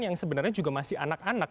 yang sebenarnya juga masih anak anak